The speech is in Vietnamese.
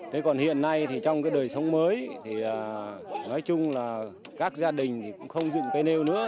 thế còn hiện nay thì trong cái đời sống mới thì nói chung là các gia đình thì cũng không dựng cây nêu nữa